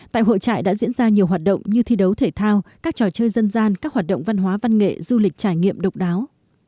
tại hội trại đã diễn ra nhiều hoạt động như thi đấu thể thao các trò chơi dân gian các hoạt động văn hóa văn nghệ du lịch trải nghiệm độc đáo